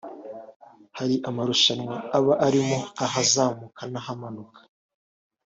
hari marushanwa aba arimo ahazamuka n’ahamanuka